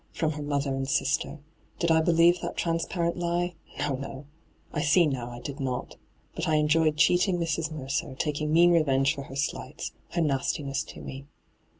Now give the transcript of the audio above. From her mother and sister— did I believe that transparent lie ? No, no ! I see now I did not. But I enjoyed cheating Mrs. Mercer, taking mean revenge for her slights, her nastiness to me.